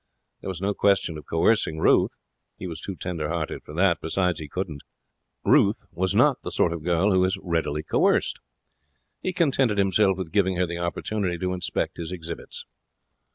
There was no question of coercing Ruth. He was too tender hearted for that. Besides he couldn't. Ruth was not the sort of girl who is readily coerced. He contented himself with giving her the opportunity to inspect his exhibits.